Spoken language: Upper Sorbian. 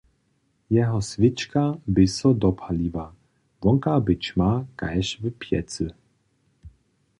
Jeho swěčka bě so dopaliła, wonka bě ćma kaž w pjecy.